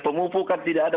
pemupukan tidak ada